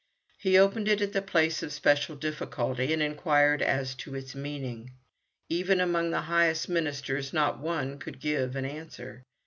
He opened it at the place of special difficulty, and inquired as to its meaning. Even among the highest ministers not one could give an answer.